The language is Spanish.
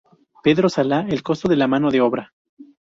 Pedro Sala" el costo de la mano de obra.